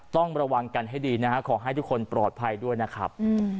ต้องระวังกันให้ดีนะฮะขอให้ทุกคนปลอดภัยด้วยนะครับ